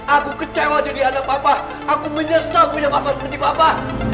aku kecewa jadi anak papa aku menyesal punya papa seperti papa